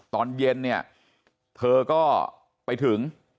ตอนเย็นเนี่ยเธอก็ไปถึง